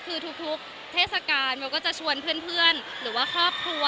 คือทุกเทศกาลเบลก็จะชวนเพื่อนหรือว่าครอบครัว